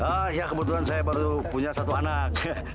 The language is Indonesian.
ah ya kebetulan saya baru punya satu anak